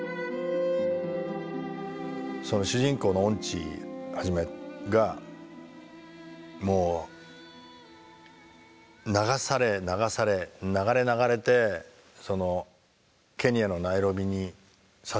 その主人公の恩地元がもう流され流され流れ流れてそのケニアのナイロビに左遷されて。